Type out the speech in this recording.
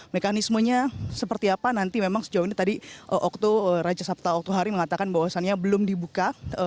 mekanismenya seperti apa nanti memang sejauh ini tadi raja sabta oktuhari mengatakan bahwasannya belum dibuka